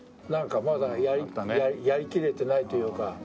なんかまだやりきれてないというか。